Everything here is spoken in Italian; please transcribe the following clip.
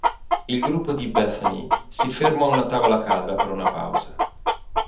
Il gruppo di Bethany si ferma a una tavola calda per una pausa.